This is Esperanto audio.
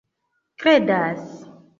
kredas